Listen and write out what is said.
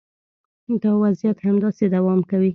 دا وضعیت همداسې دوام کوي